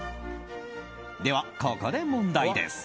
では、ここで問題です。